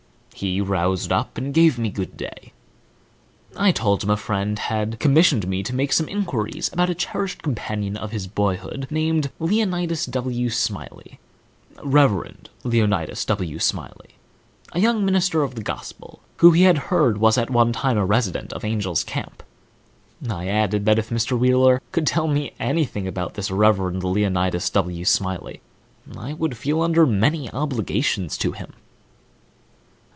He roused up and gave me good day. I told him a friend of mine had commissioned me to make some inquiries about a cherished companion of his boyhood named Leonidas W. Smiley—Rev. Leonidas W. Smiley&#8212a young minister of the Gospel, who he had heard was at one time a resident of Angel's Camp. I added that, if Mr. Wheeler could tell me anything about this Rev. Leonidas W. Smiley, I would feel under many obligations to him.